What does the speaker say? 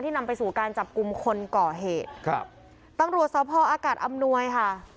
นำไปสู่การจับกลุ่มคนก่อเหตุครับตำรวจสพออากาศอำนวยค่ะ